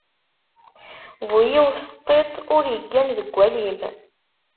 Bu yiwet n tiṭ, ur iggan deg walim.